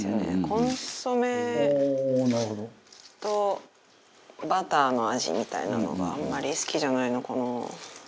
コンソメとバターの味みたいなのがあんまり好きじゃないのかな？